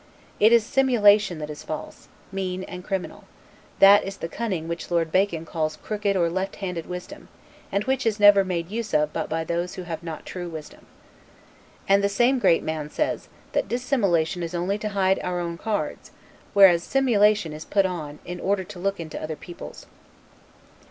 It is SIMULATION that is false, mean, and criminal: that is the cunning which Lord Bacon calls crooked or left handed wisdom, and which is never made use of but by those who have not true wisdom. And the same great man says, that dissimulation is only to hide our own cards, whereas simulation is put on, in order to look into other people's.